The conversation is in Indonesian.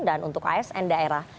dan untuk asn daerah